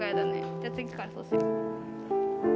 じゃあ次からそうしよう。